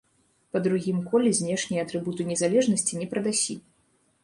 Па другім коле знешнія атрыбуты незалежнасці не прадасі.